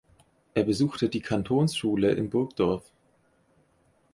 Er besuchte die Kantonsschule in Burgdorf.